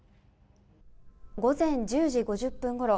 午前１０時５０分ごろ